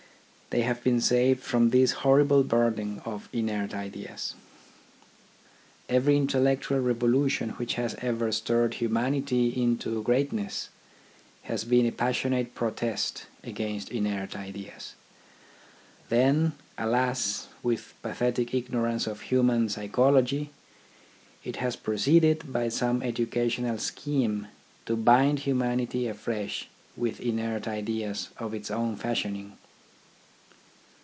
They have been saved from this horrible burden of inert ideas. Every intellectual revolution which has ever stirred humanity into greatness has been a passionate protest against inert ideas. Then, alas, with pathetic ignorance of human psycho logy, it has proceeded by some educational scheme to bind humanity afresh with inert ideas of its own fashioning.